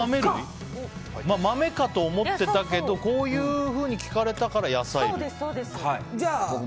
豆かと思っていたけどこういうふうに聞かれたから野菜。